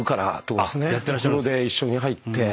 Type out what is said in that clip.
お風呂で一緒に入って。